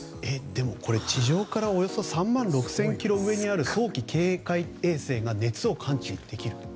でも、地上からおよそ３万６０００ｋｍ上にある早期警戒衛星が熱を感知できる？